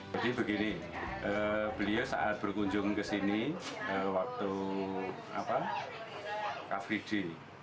jadi begini beliau saat berkunjung ke sini waktu afridi